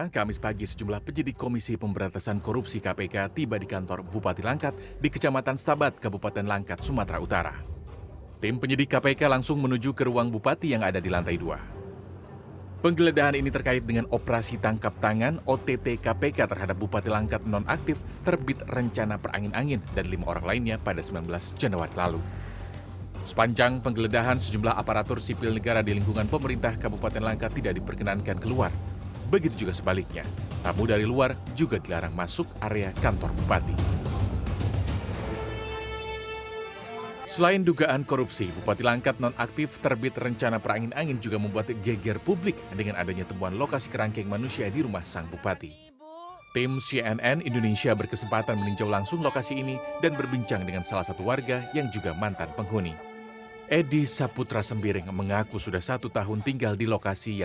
kami sekali kami hari itu jemuk sudah ada perkembangan sudah makin gemuk dia